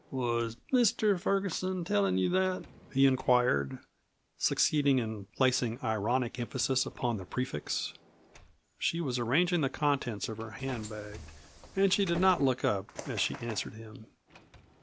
"Was Mr. Ferguson tellin' you that?" he inquired, succeeding in placing ironic emphasis upon the prefix. She was arranging the contents of her hand bag and she did not look up as she answered him.